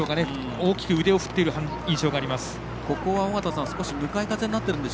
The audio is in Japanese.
大きく腕を振っている印象があります。